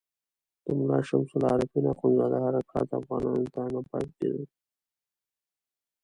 د ملا شمس العارفین اخندزاده حرکات افغانانو ته نه پاتې کېدل.